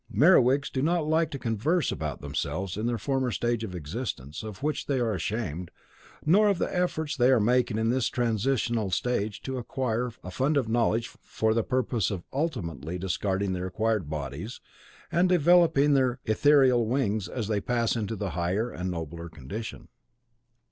Merewigs do not like to converse about themselves in their former stage of existence, of which they are ashamed, nor of the efforts they are making in this transitional stage to acquire a fund of knowledge for the purpose of ultimately discarding their acquired bodies, and developing their ethereal wings as they pass into the higher and nobler condition.